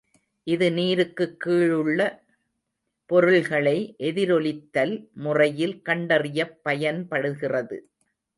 இது நீருக்குக் கீழுள்ள பொருள்களை எதிரொலித்தல் முறையில் கண்டறியப் பயன்படுகிறது.